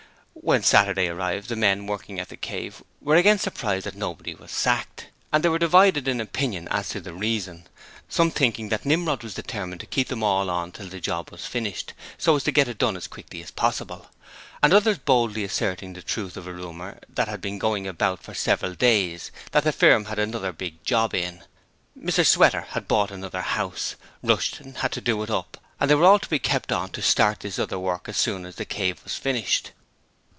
When Saturday arrived the men working at 'The Cave' were again surprised that nobody was sacked, and they were divided in opinion as to the reason, some thinking that Nimrod was determined to keep them all on till the job was finished, so as to get it done as quickly as possible; and others boldly asserting the truth of a rumour that had been going about for several days that the firm had another big job in. Mr Sweater had bought another house; Rushton had to do it up, and they were all to be kept on to start this other work as soon as 'The Cave' was finished.